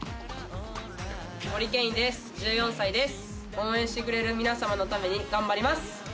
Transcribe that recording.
応援してくれる皆様のために頑張ります！